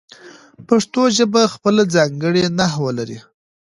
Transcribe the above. پښتو ژبه خپله ځانګړې نحو لري.